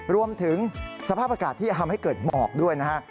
รวมถึงสภาพอากาศที่ทำให้เกิดหมอกด้วยนะฮะ